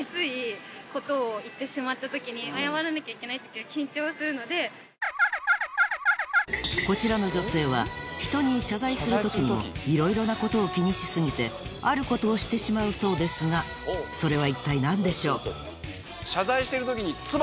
それではここでこちらの女性は人に謝罪する時にもいろいろなことを気にし過ぎてあることをしてしまうそうですがそれは一体何でしょう？